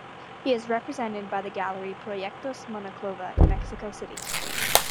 He is represented by the gallery Proyectos Monclova in Mexico City.